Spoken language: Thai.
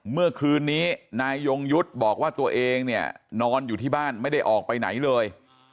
เมื่อคืนนี้นายยงยุทธ์บอกว่าตัวเองเนี่ยนอนอยู่ที่บ้านไม่ได้ออกไปไหนเลย